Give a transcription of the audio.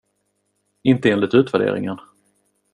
Inte enligt utvärderingen.